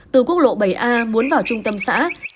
từ quốc lộ bảy a muốn vào trung tâm xã